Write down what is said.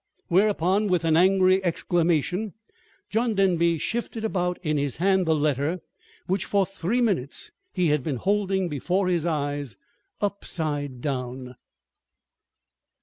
Whereupon, with an angry exclamation, John Denby shifted about in his hand the letter which for three minutes he had been holding before his eyes upside down.